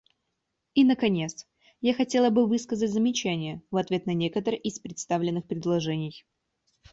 И наконец, я хотела бы высказать замечания в ответ на некоторые из представленных предложений.